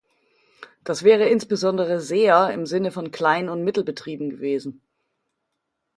Das wäre insbesondere sehr im Sinne von Klein- und Mittelbetrieben gewesen.